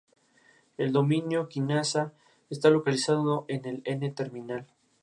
El dominio quinasa está localizado en el N-terminal.